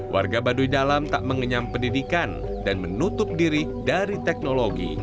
warga baduy dalam tak mengenyam pendidikan dan menutup diri dari teknologi